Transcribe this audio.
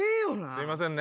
すいませんね。